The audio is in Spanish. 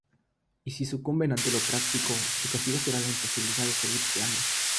Y si sucumben ante lo práctico, su castigo será la imposibilidad de seguir creando.